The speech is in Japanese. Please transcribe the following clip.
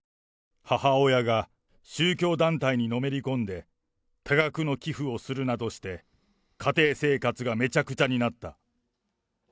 母親が宗教団体にのめり込んで、多額の寄付をするなどして、家庭生活がめちゃくちゃになった。